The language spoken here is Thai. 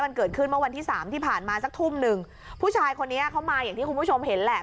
มันเกิดขึ้นเมื่อวันที่สามที่ผ่านมาสักทุ่มหนึ่งผู้ชายคนนี้เขามาอย่างที่คุณผู้ชมเห็นแหละ